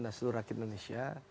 dan seluruh rakyat indonesia